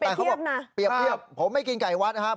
แต่เขาบอกเปรียบผมไม่กินไก่วัดครับ